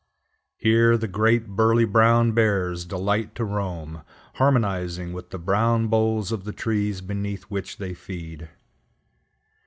Here the great burly brown bears delight to roam, harmonizing with the brown boles of the trees beneath which they feed.